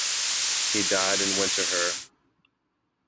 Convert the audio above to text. He died in Winterthur.